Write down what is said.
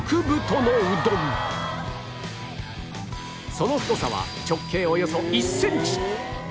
その太さは直径およそ１センチ